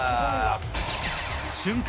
瞬間